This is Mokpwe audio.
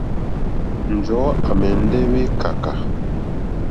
Njɔ̀ɔ́ à mɛ̀ndɛ́ wékàkà.